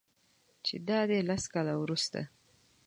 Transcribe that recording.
چې دادی لس کاله وروسته